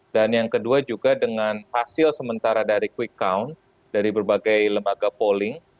dan yang kedua juga dengan hasil sementara dari quick count dari berbagai lembaga polling